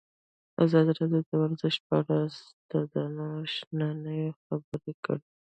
ازادي راډیو د ورزش په اړه د استادانو شننې خپرې کړي.